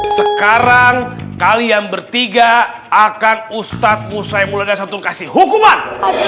sekarang kalian bertiga akan ustadz musaimul adil santun kasih hukuman